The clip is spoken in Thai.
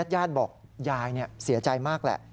ญาติบอกยายเสียใจมากแหละ